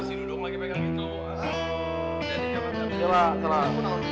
sini duduk lagi pegang itu